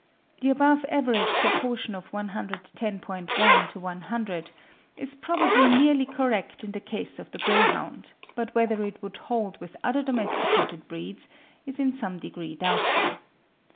The above average proportion of 110.1 to 100 is probably nearly correct in the case of the greyhound, but whether it would hold with other domesticated breeds is in some degree doubtful.